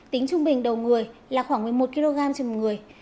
tính trung bình đầu người là khoảng một mươi một kg chừng người